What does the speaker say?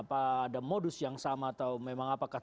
apakah ada modus yang sama atau memang apakah